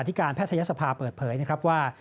ที่การแพทยศภาเปิดเผยนะครับว่า